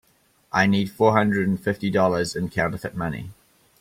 I need four hundred and fifty dollars in counterfeit money.